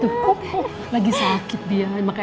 dia sedang sakit jadi agak berani